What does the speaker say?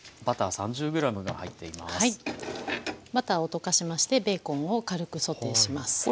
バターを溶かしましてベーコンを軽くソテーします。